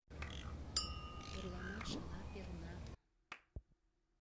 Орланаш ала перна!